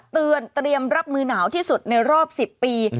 เตรียมเตรียมรับมือหนาวที่สุดในรอบ๑๐ปี